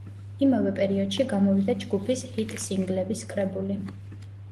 იმავე პერიოდში გამოვიდა ჯგუფის ჰიტ-სინგლების კრებული.